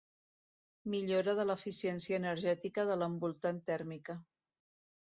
Millora de l'eficiència energètica de l'envoltant tèrmica.